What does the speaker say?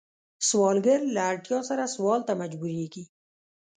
سوالګر له اړتیا سره سوال ته مجبوریږي